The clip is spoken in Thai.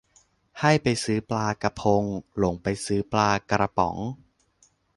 ให้ไปซื้อปลากะพง หลงไปซื้อปลากระป๋อง